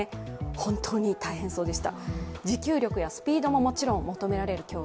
本当に大変そうでした。